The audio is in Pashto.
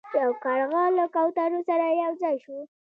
یو کارغه له کوترو سره یو ځای شو.